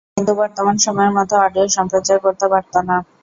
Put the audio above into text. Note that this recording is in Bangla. এটি কিন্তু বর্তমান সময়ের মত অডিও সম্প্রচার করতে পারত না।